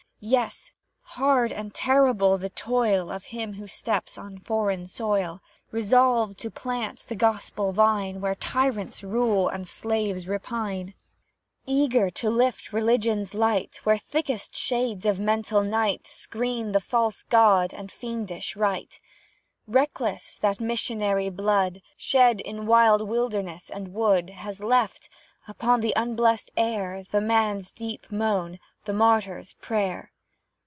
Yes, hard and terrible the toil Of him who steps on foreign soil, Resolved to plant the gospel vine, Where tyrants rule and slaves repine; Eager to lift Religion's light Where thickest shades of mental night Screen the false god and fiendish rite; Reckless that missionary blood, Shed in wild wilderness and wood, Has left, upon the unblest air, The man's deep moan the martyr's prayer.